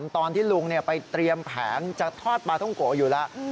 ตอนที่ลุงไปเตรียมแผงจะทอดปลาท่องโกะอยู่แล้ว